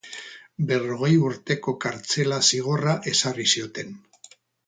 Berrogei urteko kartzela zigorra ezarri zioten.